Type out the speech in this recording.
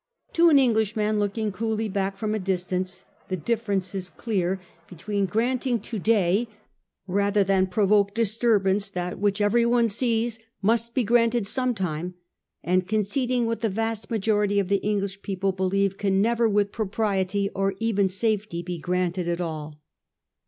To an Englishman looking coolly back from a distance, the difference is clear between 1843. EEPEAL OE THE UNION. 279 granting to day rather than provoke disturbance that which everyone sees must he granted some time, and conceding what the vast majority of the English people believe can never with propriety or even safety be granted at all.